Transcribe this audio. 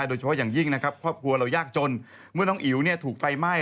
โดยเฉพาะอย่างยิ่งนะครับครอบครัวเรายากจนเมื่อน้องอิ๋วถูกไฟไหม้